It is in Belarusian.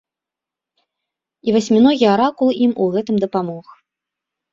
І васьміногі аракул ім у гэтым дапамог.